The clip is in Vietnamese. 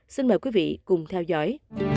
xin mời quý vị cùng theo dõi